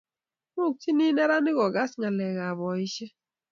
Muukchini neranik ko kagas ngalek ab boishe